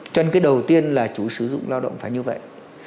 cho nên cái đầu tiên là chủ sử dụng lao động phải như vậy